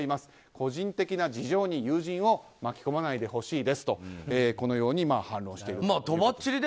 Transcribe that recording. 個人的な事情に友人を巻き込まないでほしいですとこのように反論していると。